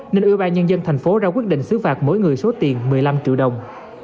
nên ubnd tp sa đéc ra quyết định xứ phạt mỗi người số tiền một mươi năm triệu đồng